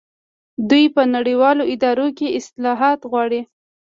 دوی په نړیوالو ادارو کې اصلاحات غواړي.